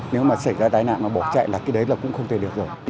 nếu mà xảy ra tai nạn mà bỏ chạy là cái đấy là cũng không thể được rồi